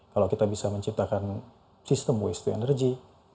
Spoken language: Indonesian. kalau kita bisa menciptakan sistem waste to energy